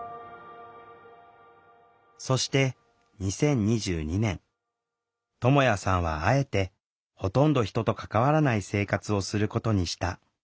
そして２０２２年。ともやさんはあえてほとんど人と関わらない生活をすることにした。